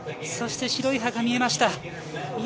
そして白い歯が見えました。